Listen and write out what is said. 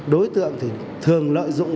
đối tượng thì thường lợi dụng